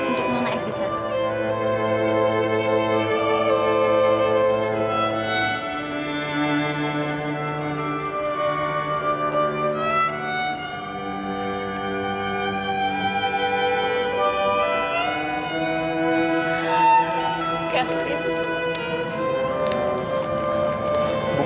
untuk memuji tuhan